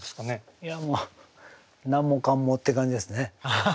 いやもう何もかんもって感じですね。